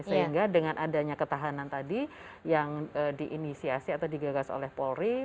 sehingga dengan adanya ketahanan tadi yang diinisiasi atau digagas oleh polri